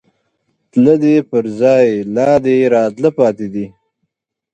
تله دې په ځائے، لا دې راتله پاتې دي